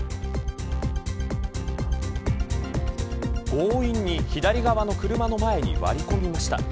強引に左側の車の前に割り込みました。